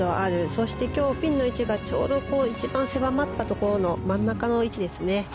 そして今日、ピンの位置が一番狭まったところの真ん中の位置ですね。